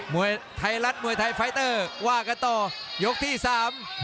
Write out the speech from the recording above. มวยไทยรัฐมวยไทยไฟเตอร์ว่ากันต่อยกที่สาม